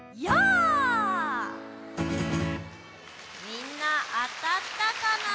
みんなあたったかな？